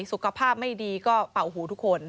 สุขภาพไม่ดีก็เป่าหูทุกคน